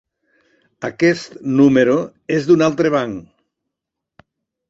Aquest número és d'un altre banc.